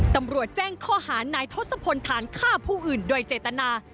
ตำรวจแจ้งข้อหานายทศพลฐานฆ่าผู้อื่นโดยเจตนา